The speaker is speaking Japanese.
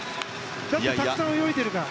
だってたくさん泳いでるから。